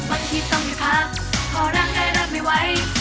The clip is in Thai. บางทีต้องพักพอรักได้รักไม่ไหว